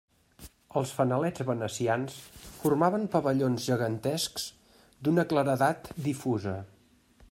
Els fanalets venecians formaven pavellons gegantescs d'una claredat difusa.